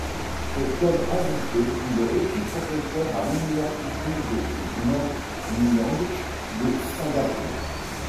C'est comme invité qu'il est aussi professeur à l'Université de Nanyang de Singapour.